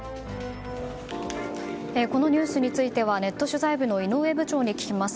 このニュースについてはネット取材部の井上部長に聞きます。